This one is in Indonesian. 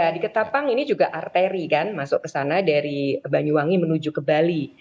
di ketapang ini juga arteri kan masuk ke sana dari banyuwangi menuju ke bali